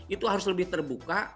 itu harus lebih terbuka